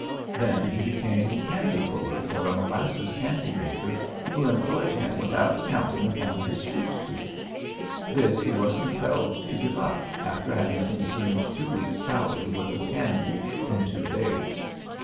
Then he became candy puller for a molasses candy maker, who employed him without counting upon his sweet tooth. This he was compelled to give up after having consumed two weeks' salary's worth of candy in two days.